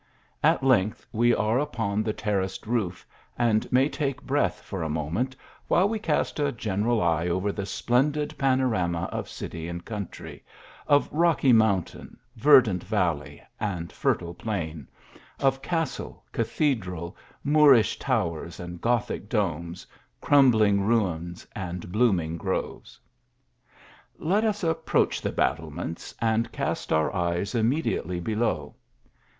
At length we are upon the terraced roof, and may take breath for a moment, while we cast a general eye over the splendid panorama of city and country, of rocky mountain, verdant valley and fertile plain ; of castle, cathedral, Moorish towers and Gothic domes, train* bling ruins and blooming groves. Let us approach the battlements and cast cur eyes immediately below.